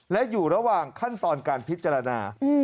และอยู่ระหว่างขั้นตอนการพิจารณา